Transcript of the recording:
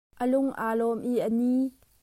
A lung aa lawm i a ni.